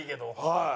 はい。